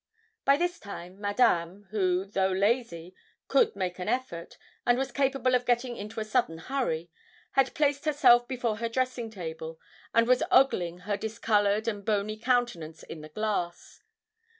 By this time Madame, who, though lazy, could make an effort, and was capable of getting into a sudden hurry, had placed herself before her dressing table, and was ogling her discoloured and bony countenance in the glass.